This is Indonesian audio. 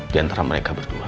di antara mereka berdua